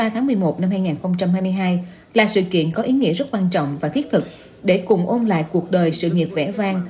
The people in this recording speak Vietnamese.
hai mươi tháng một mươi một năm hai nghìn hai mươi hai là sự kiện có ý nghĩa rất quan trọng và thiết thực để cùng ôn lại cuộc đời sự nghiệp vẽ vang